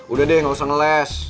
udah deh gak usah ngeles